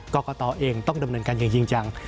กรกตเองต้องดำเนินการอย่างจริงจัง